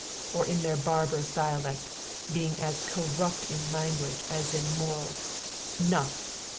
or, in their barbarous dialect, being as corrupt in language as in morals, 'Nuff!'